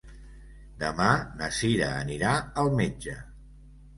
Demà na Cira anirà al metge.